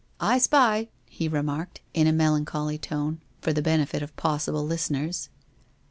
* I spy !' he remarked, in a melancholy tone, for the benefit of possible listeners.